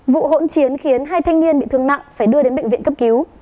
vụ hỗn chiến khiến hai thanh niên bị thương nặng phải đưa đến bệnh viện cấp cứu